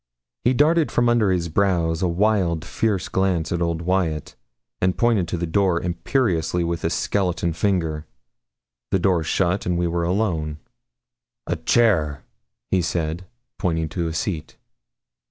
He darted from under his brows a wild, fierce glance at old Wyat, and pointed to the door imperiously with his skeleton finger. The door shut, and we were alone. 'A chair?' he said, pointing to a seat.